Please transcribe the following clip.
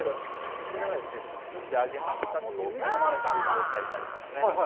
こちらが包んであげましょか？というタイトルの妖怪になりますね。